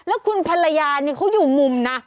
แล้วคุณภรรยานี่เขาอยู่มุมนะ